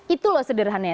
itu loh sederhananya